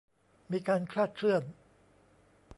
มีการคลาดเคลื่อน